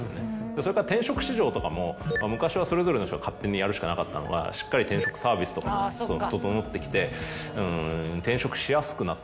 それから転職市場とかも昔はそれぞれの人が勝手にやるしかなかったのがしっかり転職サービスとかも整ってきて転職しやすくなった。